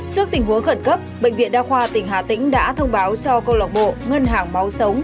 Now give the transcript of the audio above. trước tình huống khẩn cấp bệnh viện đa khoa tỉnh hà tĩnh đã thông báo cho câu lọc bộ ngân hàng máu sống